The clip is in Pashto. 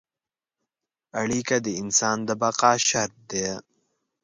اړیکه د انسان د بقا شرط ده.